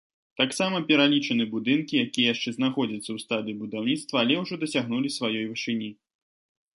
Таксама пералічаны будынкі, якія яшчэ знаходзяцца ў стадыі будаўніцтва, але ўжо дасягнулі сваёй вышыні.